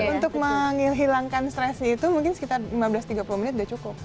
untuk menghilangkan stresnya itu mungkin sekitar lima belas tiga puluh menit sudah cukup